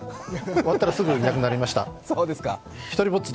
終わったらすぐにいなくなりました。